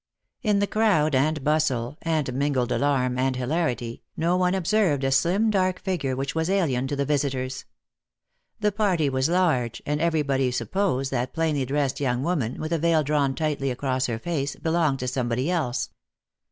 In the crowd and bustle, and mingled alarm and hilarity, no one observed a slim dark figure which was alien to the visitors. The party was large, and everybody supposed that plainly dressed young woman, with a veil drawn tightly across her face, belonged to somebody else.